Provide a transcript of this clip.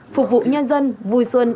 phục vụ nhân dân vui xuân